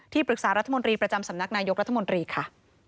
ปรึกษารัฐมนตรีประจำสำนักนายกรัฐมนตรีค่ะ